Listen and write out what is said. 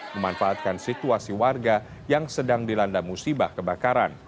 memanfaatkan situasi warga yang sedang dilanda musibah kebakaran